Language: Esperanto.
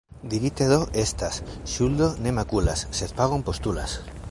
Dirite do estas: ŝuldo ne makulas, sed pagon postulas!